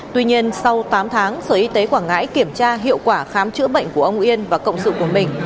tuy nhiên sau tám tháng sở y tế quảng ngãi kiểm tra hiệu quả khám chữa bệnh của ông yên và cộng sự của mình